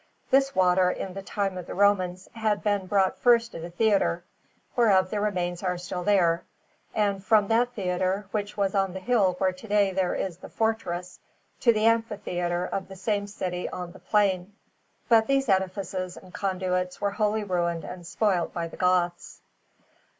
This water, in the time of the Romans, had been brought first to the theatre, whereof the remains are still there, and from that theatre, which was on the hill where to day there is the fortress, to the amphitheatre of the same city, on the plain; but these edifices and conduits were wholly ruined and spoilt by the Goths.